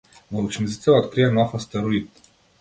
Научниците открија нов астероид.